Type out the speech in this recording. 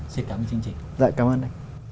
xin cảm ơn chương trình